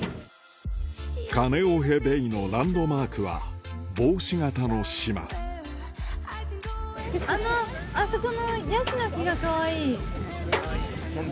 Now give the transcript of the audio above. カネオヘベイのランドマークあの、あそこのヤシの木がかわいい。